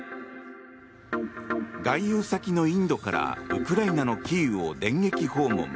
外遊先のインドからウクライナのキーウを電撃訪問。